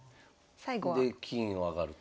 で金を上がると。